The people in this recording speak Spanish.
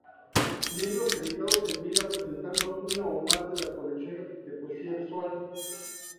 Libros editados en vida presentando una o más de las colecciones de poesía visual.